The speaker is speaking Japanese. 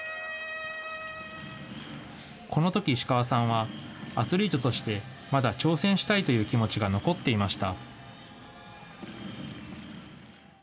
このとき石川さんは、アスリートとして、まだ挑戦したいという気持ちが残っていました。